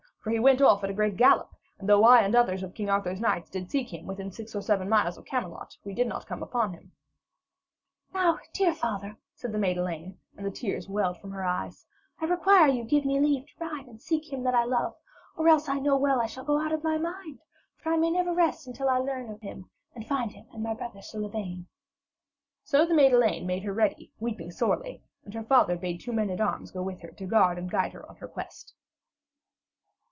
For he went off at a great gallop, and though I and others of King Arthur's knights did seek him within six or seven miles of Camelot, we could not come upon him.' 'Now, dear father,' said the maid Elaine, and the tears welled from her eyes, 'I require you give me leave to ride and seek him that I love, or else I know well that I shall go out of my mind, for I may never rest until I learn of him and find him and my brother Sir Lavaine.' So the maid Elaine made her ready, weeping sorely, and her father bade two men at arms go with her to guard and guide her on her quest.